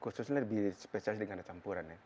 kalau saya khususnya lebih spesialis dengan campuran ya